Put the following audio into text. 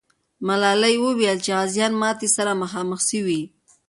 ملالۍ وویل چې غازیان ماتي سره مخامخ سوي.